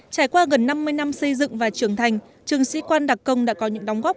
trải qua gần năm mươi năm xây dựng và trưởng thành trường sĩ quan đặc công đã có những đóng góp